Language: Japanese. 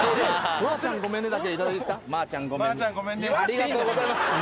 ありがとうございます。